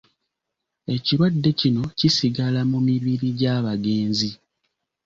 Ekirwadde kino kisigala mu mibiri gy'abagenzi.